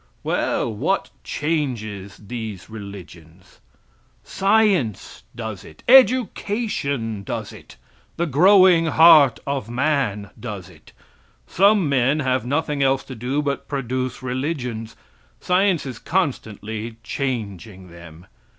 Well, what changes these religions? Science does it, education does it; the growing heart of man does it. Some men have nothing else to do but produce religions; science is constantly changing them.